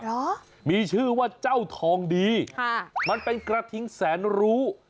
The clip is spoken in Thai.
เหรอมีชื่อว่าเจ้าทองดีค่ะมันเป็นกระทิงแสนรู้